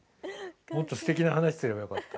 もっとすてきな話すればよかった。